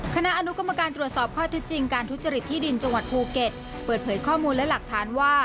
คณะอนุกรรมการตรวจสอบข้อเท็จจริงการทุจริตที่ดินจังหวัดภูเก็ตเปิดเผยข้อมูลและหลักฐานว่า